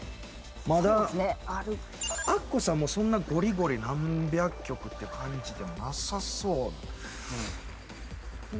まだアッコさんもそんなゴリゴリ何百曲って感じでもなさそうＢ